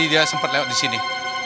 iya tadi dia sempet lewat disini